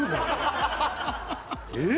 えっ？